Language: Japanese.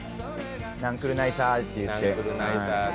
なんくるないさって言って。